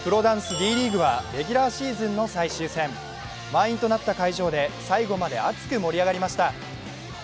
Ｄリーグはレギュラーシーズンの最終戦、満員となった会場で最後まで熱く盛り上がりました。